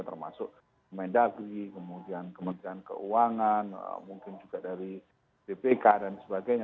termasuk mendagri kemudian kementerian keuangan mungkin juga dari bpk dan sebagainya